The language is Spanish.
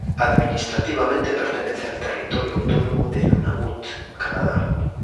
Administrativamente pertenece al territorio autónomo de Nunavut, Canadá.